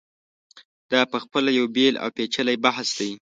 دا په خپله یو بېل او پېچلی بحث دی.